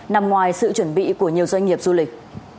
nằm ngoài sự chuẩn bị của nhiều doanh nghiệp du lịch